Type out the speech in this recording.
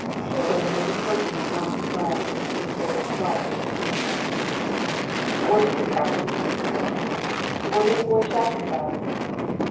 Sherburne was approaching with long strides, his face flushed with enthusiasm. "What is it, Captain?" asked Harry. "What are the boys shouting about?"